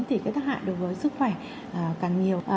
thì tác hại đối với sức khỏe càng nhiều